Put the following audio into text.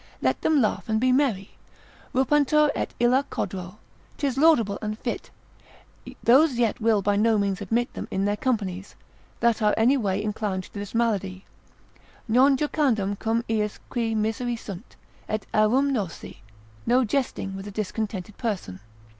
let them laugh and be merry, rumpantur et illa Codro, 'tis laudable and fit, those yet will by no means admit them in their companies, that are any way inclined to this malady: non jocandum cum iis qui miseri sunt, et aerumnosi, no jesting with a discontented person.